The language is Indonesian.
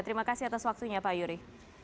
terima kasih atas waktunya pak yuri